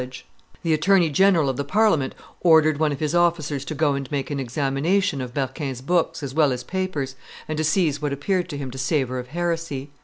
[Illustration: Erasmus 194] The attorney general of the Parliament ordered one of his officers to go and make an examination of Berquin's books as well as papers, and to seize what appeared to him to savor of heresy.